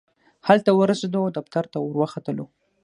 هلته ورسېدو او دفتر ته ورختلو.